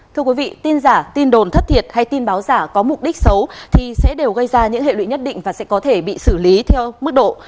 thưa quý vị tin giả tin đồn thất thiệt hay tin báo giả có mục đích xấu thì sẽ đều gây ra những hệ lụy nhất định và sẽ có thể bị xử lý theo mức độ